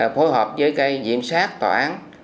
phối hợp với cái diễn sát tòa án